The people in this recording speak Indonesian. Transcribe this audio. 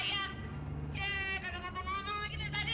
ya gak ada apa apa ngomong lagi dari tadi